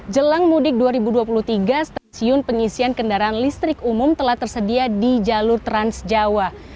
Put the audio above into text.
jelang mudik dua ribu dua puluh tiga stasiun pengisian kendaraan listrik umum telah tersedia di jalur trans jawa